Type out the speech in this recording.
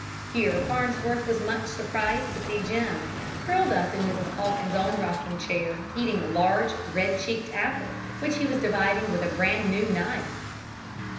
Here Farnsworth was much surprised to see Jim, curled up in Mrs. Calkins's own rocking chair, eating a large red cheeked apple which he was dividing with a brand new knife!